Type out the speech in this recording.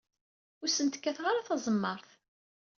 Ur sent-kkateɣ ara taẓemmaṛt.